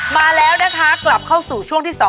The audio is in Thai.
มาแล้วนะคะกลับเข้าสู่ช่วงที่๒